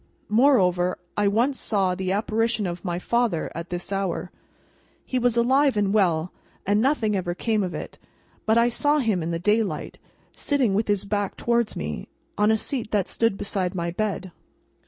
Moreover, I once saw the apparition of my father, at this hour. He was alive and well, and nothing ever came of it, but I saw him in the daylight, sitting with his back towards me, on a seat that stood beside my bed.